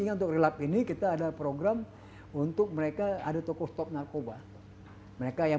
untuk relap ini kita ada program untuk mereka ada tokoh stop narkoba mereka yang